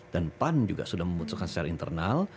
dan pan juga sudah memutuskan secara internal